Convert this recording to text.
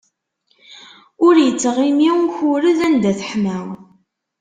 Ur ittɣimi ukured anda teḥma.